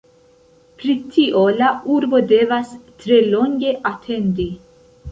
Pri tio la urbo devas tre longe atendi.